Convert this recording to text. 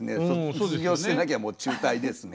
卒業してなきゃもう中退ですね。